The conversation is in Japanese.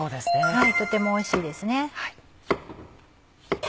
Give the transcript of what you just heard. とてもおいしいですね。